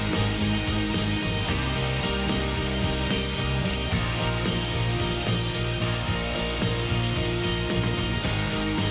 เราจะลุยแล้วค่ะ